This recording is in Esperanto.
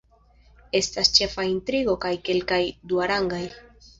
Estas ĉefa intrigo kaj kelkaj duarangaj.